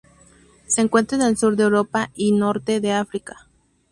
Se encuentra en el sur de Europa y norte de África.